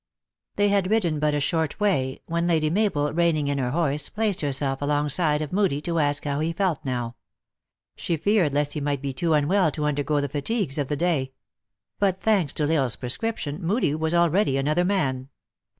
They had ridden but a short way, when Lady Ma bel, reining in her horse, placed herself along side of Moodie, to ask how he felt now. She feared lest he might be too unwell to undergo the fatigues of the day. But, thanks to L lsle s prescription, Moodie was already another man.